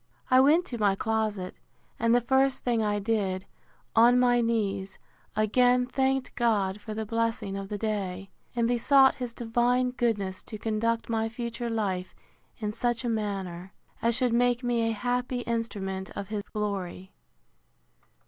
I went to my closet; and the first thing I did, on my knees, again thanked God for the blessing of the day; and besought his divine goodness to conduct my future life in such a manner, as should make me a happy instrument of his glory.